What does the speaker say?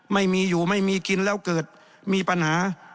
ไม่มีอยู่ไม่มีกินแล้วเกิดมีปัญหา